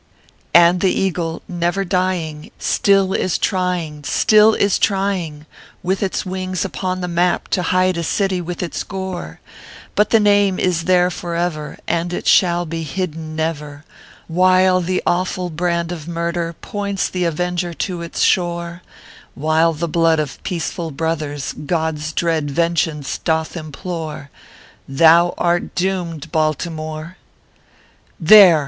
And the Eagle, never dying, still is trying, still is trying, With its wings upon the map to hide a city with its gore ; But the name is there forever, and it shall be hidden never, While the awful brand of murder points the Avenger to its shore; While the blood of peaceful brothers God s dread vengeance doth im plore, Thou art doomed, BALTIMORE !" There